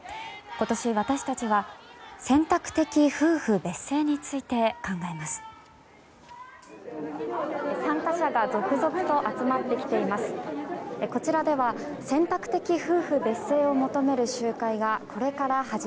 今年、私たちは選択的夫婦別姓について考えます。